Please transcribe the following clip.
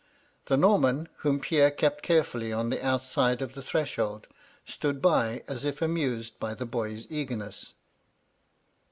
The Norman, whom Pierre kept careiully on the outside of the threshold, stood by, as if amused at the boy's eagerness.